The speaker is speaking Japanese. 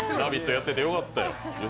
やっててよかったよ。